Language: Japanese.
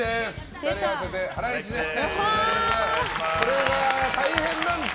２人合わせてハライチです。